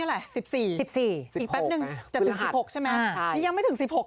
นี่เอาดีนะวันนี้อะไร๑๔อีกแป๊บนึงจะถึง๑๖ใช่ไหม